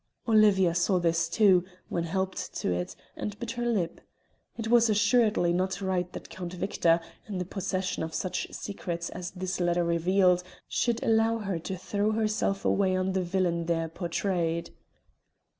Olivia saw this too, when helped to it, and bit her lip. It was, assuredly, not right that Count Victor, in the possession of such secrets as this letter revealed, should allow her to throw herself away on the villain there portrayed.